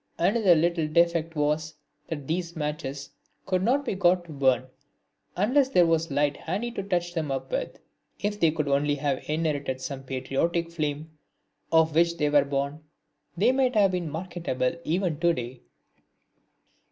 Another little defect was that these matches could not be got to burn unless there was a light handy to touch them up with. If they could only have inherited some of the patriotic flame of which they were born they might have been marketable even to day.